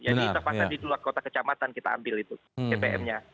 jadi terpaksa di luar kota kecamatan kita ambil itu bpm nya